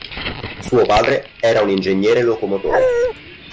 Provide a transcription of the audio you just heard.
Suo padre era un ingegnere locomotore.